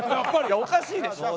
おかしいでしょ。